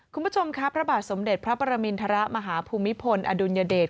คุณผู้ชมครับพระบาทสมเด็จพระปรมินทรมาฮภูมิพลอดุลยเดช